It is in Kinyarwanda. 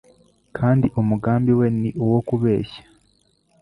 kandi umugambi we ni uwo kubeshya.